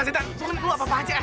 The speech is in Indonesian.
zeta zeta turunin lu apa apaan aja